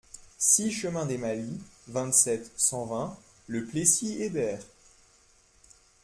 six chemin des Malis, vingt-sept, cent vingt, Le Plessis-Hébert